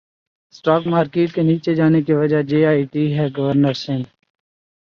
stock market کے نیچے جانے کی وجہ جے ائی ٹی ہے گورنر سندھ